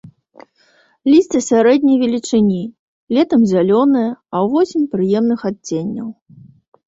Лісце сярэдняй велічыні, летам зялёнае, а ўвосень прыемных адценняў.